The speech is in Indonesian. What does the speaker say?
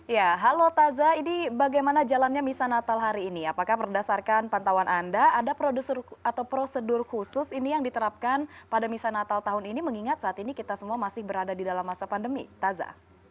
ya halo taza ini bagaimana jalannya misa natal hari ini apakah berdasarkan pantauan anda ada prosedur khusus ini yang diterapkan pada misa natal tahun ini mengingat saat ini kita semua masih berada di dalam masa pandemi taza